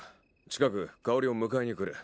近く香織を迎えに来る。